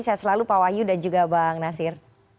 saya selalu pak wahyu dan juga bang nasir